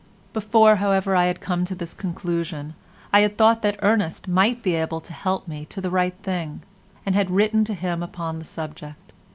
Before, however, I had come to this conclusion, I had thought that Ernest might be able to help me to the right thing, and had written to him upon the subject.